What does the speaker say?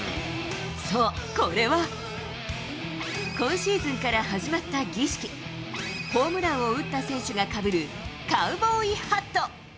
そう、これは、今シーズンから始まった儀式、ホームランを打った選手がかぶるカウボーイハット。